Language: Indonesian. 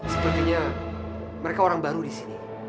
sepertinya mereka orang baru di sini